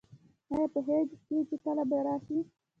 ایا پوهیږئ چې کله باید راشئ؟